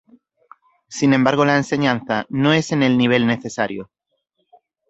Sin embargo la enseñanza no es en el nivel necesario.